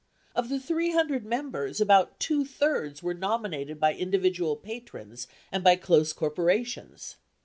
Of the three hundred members, about two thirds were nominated by individual patrons and by close corporations.